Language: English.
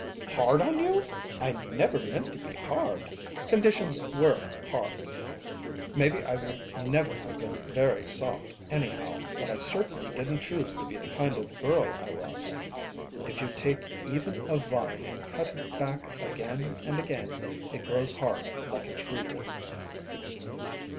"Hard on you? I never meant to be hard. Conditions were hard. Maybe I would never have been very soft, anyhow; but I certainly didn't choose to be the kind of girl I was. If you take even a vine and cut it back again and again, it grows hard, like a tree."